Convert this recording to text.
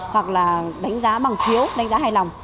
hoặc là đánh giá bằng phiếu đánh giá hài lòng